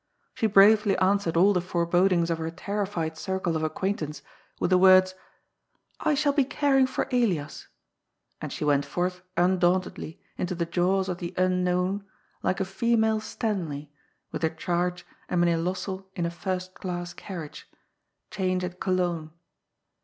She brarely an swered all the forebodings of her terrified circle of acquaint ance with the words, '^ I shall be caring for Elias,'' and she went forth undauntedly into the jaws of the Unknown like a female Stanley, with her charge and Mynheer Lossell in a first class carriage— change at Cologne.